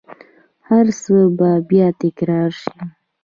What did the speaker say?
هرڅه به بیا تکرار شي